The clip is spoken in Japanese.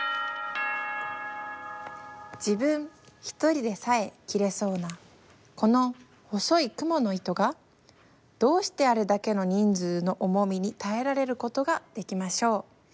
「自分一人でさえ断れそうなこの細い蜘蛛の糸がどうしてあれだけの人数の重みに堪えられることが出来ましょう。